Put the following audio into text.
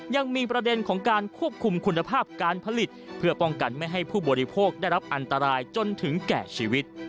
ยังมีประเด็นของการควบคุมคุณภาพการผลิตเพื่อป้องกันไม่ให้ผู้บริโภคได้รับอันตรายจนถึงแก่ชีวิต